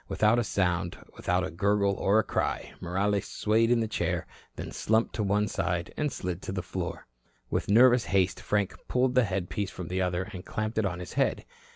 Without a sound, without a gurgle or a cry, Morales swayed in the chair, then slumped to one side and slid to the floor. With nervous haste Frank pulled the headpiece from the other and clamped it on his head.